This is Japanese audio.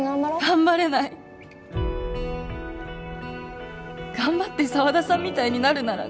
頑張れない頑張って沢田さんみたいになるなら